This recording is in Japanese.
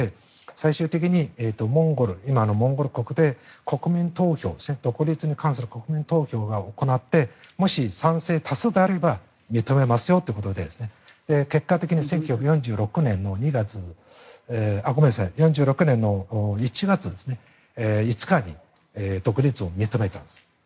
最終的にモンゴル国で国民投票独立に関する国民投票を行ってもし賛成多数であれば認めますよということで結果的に１９４６年の１月５日に独立を認めたんです。